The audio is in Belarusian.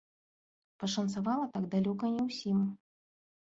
Пашанцавала так далёка не ўсім.